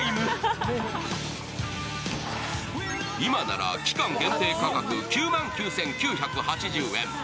今なら期間限定価格９万９９８０円。